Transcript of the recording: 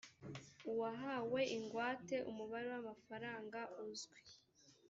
uwahawe ingwate umubare w amafaranga uzwi